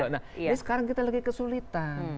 nah ini sekarang kita lagi kesulitan